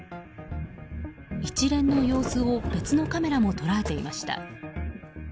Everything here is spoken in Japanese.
一連の様子を別のカメラも捉えていました。